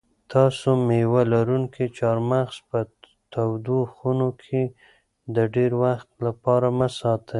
تاسو مېوه لرونکي چهارمغز په تودو خونو کې د ډېر وخت لپاره مه ساتئ.